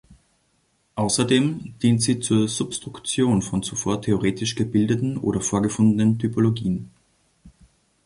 Außerdem dient sie zur "Substruktion" von zuvor theoretisch gebildeten oder vorgefundenen Typologien.